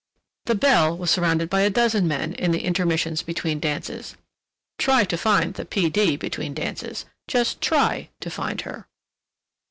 The "belle" was surrounded by a dozen men in the intermissions between dances. Try to find the P. D. between dances, just try to find her.